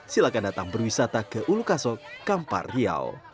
silahkan datang berwisata ke ulu kasok kampar riau